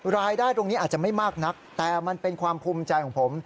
รายได้ตรงนี้อาจจะไม่มากนักแต่มันเป็นความภูมิใจของผม